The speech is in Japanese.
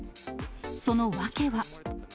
その訳は。